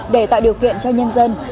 để tạo điều kiện cho nhân dân